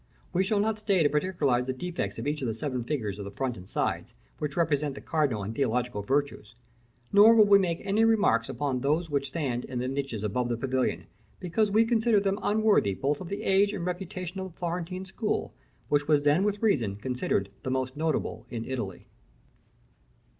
We will not stay to particularise the defects of each of the seven figures of the front and sides, which represent the cardinal and theological virtues; nor will we make any remarks upon those which stand in the niches above the pavilion, because we consider them unworthy both of the age and reputation of the Florentine school, which was then with reason considered the most notable in Italy."